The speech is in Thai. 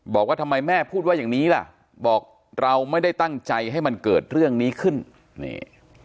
บอกว่าทำไมแม่พูดว่าอย่างนี้ล่ะบอกเราไม่ได้ตั้งใจให้มันเกิดเรื่องนี้ขึ้นนี่